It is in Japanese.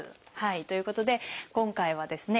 ということで今回はですね